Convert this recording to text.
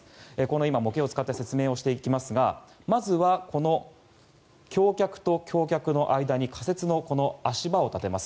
今、模型を使って説明をしていきますがまずは橋脚と橋脚の間に仮説の足場を立てます。